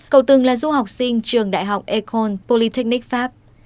cầu từng là du học sinh trường đại học econ polytechnic pháp